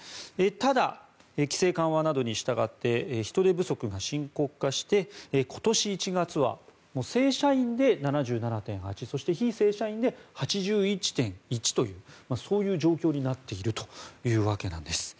ただ、規制緩和などに従って人手不足が深刻化して今年１月は正社員で７７．８そして、非正社員で８１．１という状況になっているというわけです。